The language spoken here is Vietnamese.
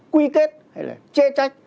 quy kết hay là chê trách